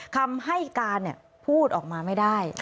คำให้การพูดออกมาไม่ได้